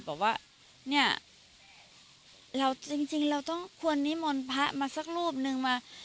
บอกว่าเนี่ยเราจริงเราต้องควรนิมนต์พระมาสักรูปนึงมา